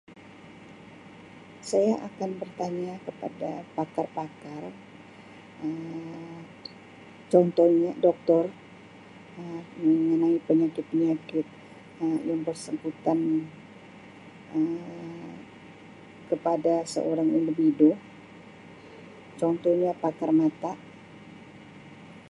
Saya akan bertanya kepada pakar-pakar Um contohnya Doktor Um mengenai penyakit penyakit [unintelligible] bersangkutan Um kepada seorang individu contohnya pakar mata.